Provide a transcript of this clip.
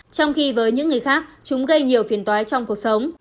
trong khi với những người khác chúng gây nhiều phiền toái trong cuộc sống